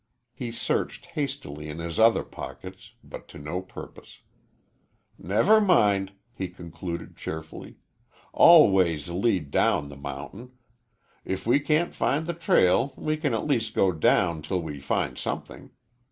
He searched hastily in his other pockets, but to no purpose. "Never mind," he concluded, cheerfully. "All ways lead down the mountain. If we can't find the trail we can at least go down till we find something.